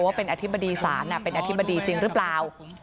ว่าเป็นอธิบดีศาลเป็นอธิบดีจริงหรือเปล่า